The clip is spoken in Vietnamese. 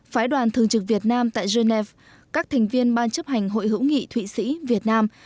phái đoàn thường trực việt nam tại genève các thành viên ban chấp hành hội hữu nghị thụy sĩ việt nam